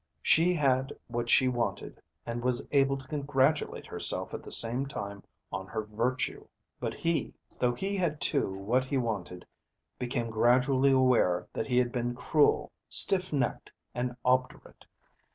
She had what she wanted, and was able to congratulate herself at the same time on her virtue. But he, though he had too what he wanted, became gradually aware that he had been cruel, stiff necked, and obdurate.